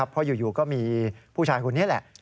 เพราะอยู่ก็มีผู้ชายคนนี้แหละ